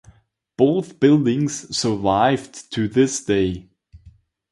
Both buildings survived to this day.